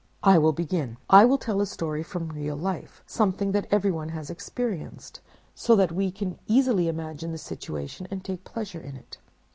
I will begin. I will tell a story from real life, something that everyone has experienced, so that we can easily imagine the situation, and take pleasure in it.